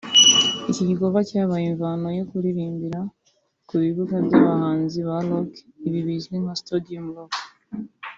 Iki gikorwa cyabaye imvano yo kuririmbira ku bibuga by’abahanzi ba Rock ibi bizwi nka stadium rock